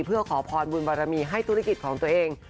เพื่อขอพรบุญบารมีให้ธุรกิจของตัวเอง